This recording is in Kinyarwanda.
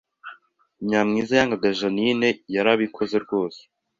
Nyamwiza yangaga JeaninneYarabikoze rwose.